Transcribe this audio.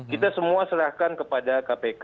kita semua serahkan kepada kpk